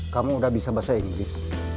kamu udah bisa bahasa inggris